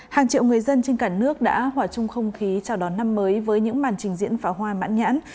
hàng triệu người dân trên cả nước đã hòa chung không khí chào đón năm mới với những màn trình diễn pháo hoa mãn nhãn